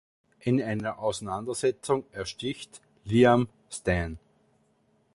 In einer Auseinandersetzung ersticht Liam Stan.